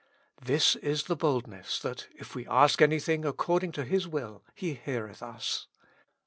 " This is the boldness, that if we ask anything according to His will, He heareth us."